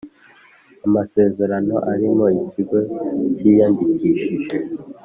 amasezerano arimo ikigo cyiyandikishije